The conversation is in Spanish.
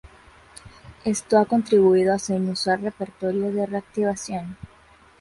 Esto ha contribuido a su inusual repertorio de reactivación.